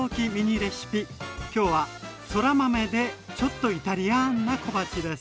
今日はそら豆でちょっとイタリアンな小鉢です。